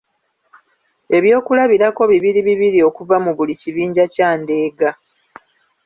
Ebyokulabirako bibiri bibiri okuva mu buli kibinja kya ndeega.